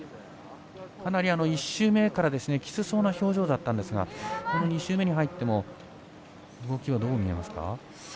かなり１周目からきつそうな表情だったんですが２周目に入って動きはどう見えますか？